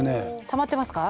たまってますか？